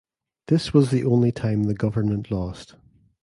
This was the only time the government lost.